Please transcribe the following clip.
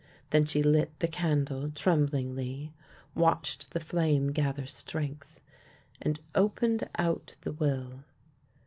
Then she lit the candle tremblingly, watched the flame gather strength, and opened out the will.